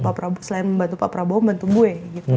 pak prabowo selain membantu pak prabowo membantu gue gitu